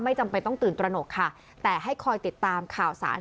จำเป็นต้องตื่นตระหนกค่ะแต่ให้คอยติดตามข่าวสาร